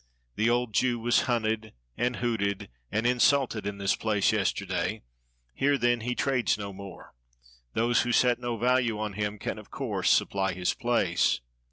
The old Jew was hunted and hooted and insulted in this place yesterday; here then he trades no more; those who set no value on him can of course supply his place."